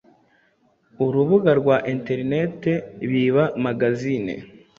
Urubuga rwa Internet ‘bibamagazine’